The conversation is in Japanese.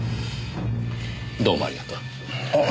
どうもありがとう。